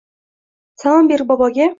Salom berib boboga